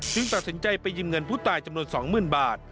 ตัดสินใจไปยืมเงินผู้ตายจำนวน๒๐๐๐บาท